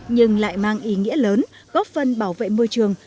nhưng lại mang ý nghĩa lớn góp phân bảo vệ môi trường